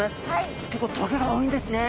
結構棘が多いんですね。